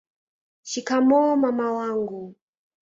shikamoo mama wangu